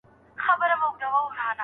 که مسوده سمه سي نو چاپ ته به ولېږل سي.